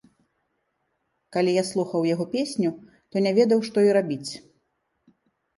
Калі я слухаў яго песню, то не ведаў, што і рабіць.